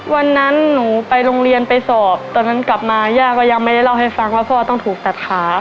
วันนั้นหนูไปโรงเรียนไปสอบตอนนั้นกลับมาย่าก็ยังไม่ได้เล่าให้ฟังว่าพ่อต้องถูกตัดขา